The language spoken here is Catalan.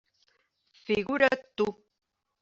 Figura't tu!